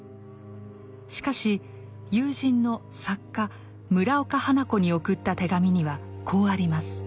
しかし友人の作家村岡花子に送った手紙にはこうあります。